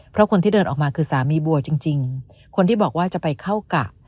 เพราะคนที่เดินออกมาคือสามีบัวจริงคนที่บอกว่าจะไปเข้ากะ